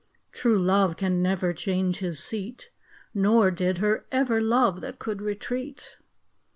True love can never change his seat ; Nor did he ever love that can retreat.